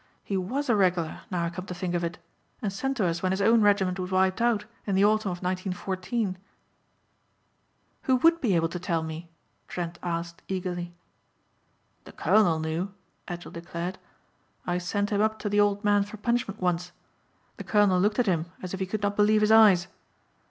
He was a regular now I come to think of it and sent to us when his own regiment was wiped out in the Autumn of 1914." "Who would be able to tell me?" Trent asked eagerly. "The colonel knew," Edgell declared, "I sent him up to the old man for punishment once. The colonel looked at him as if he could not believe his eyes.